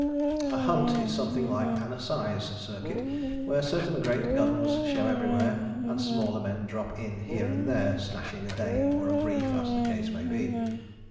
A hunt is something like an Assize circuit, where certain great guns show everywhere, and smaller men drop in here and there, snatching a day or a brief, as the case may be.